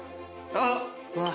あっ！